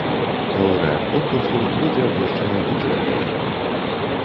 Лаўрэат конкурсу будзе абвешчаны ў чэрвені.